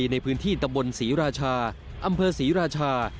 ในพื้นที่ตะบนศรีราชาอำเภอศรีราชา